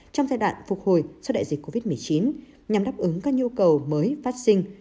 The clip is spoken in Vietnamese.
trong giai đoạn phục hồi sau đại dịch covid một mươi chín nhằm đáp ứng các nhu cầu mới phát sinh